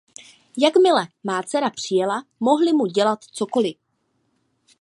Jakmile má dcera přijela, mohli mu dělat cokoli.